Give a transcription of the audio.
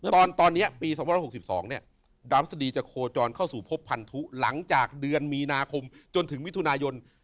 ตอนตอนนี้ปี๒๖๒เนี่ยดรามสดีจะโคจรเข้าสู่พบพันธุหลังจากเดือนมีนาคมจนถึงวิทุนายน